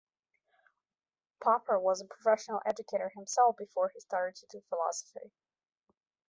Popper was a professional educator himself before he started to do philosophy.